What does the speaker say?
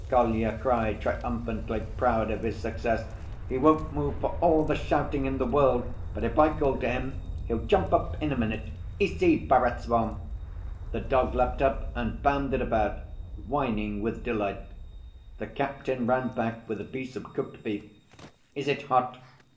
Kolya cried triumphantly, proud of his success. "He won't move for all the shouting in the world, but if I call to him, he'll jump up in a minute. Ici, Perezvon!" The dog leapt up and bounded about, whining with delight. The captain ran back with a piece of cooked beef. "Is it hot?"